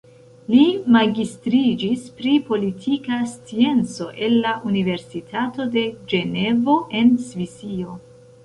Li magistriĝis pri politika scienco el la Universitato de Ĝenevo en Svisio.